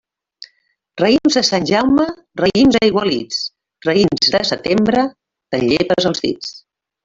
Raïms de Sant Jaume, raïms aigualits; raïms de setembre, te'n llepes els dits.